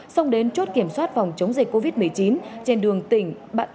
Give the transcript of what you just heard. xong đến chốt kiểm soát phòng chống dịch covid một mươi chín trên đường tỉnh ba nghìn tám trăm ba mươi tám